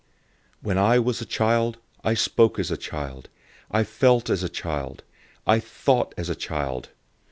013:011 When I was a child, I spoke as a child, I felt as a child, I thought as a child.